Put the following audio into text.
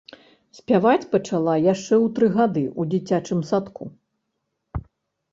Спяваць пачала яшчэ ў тры гады ў дзіцячым садку.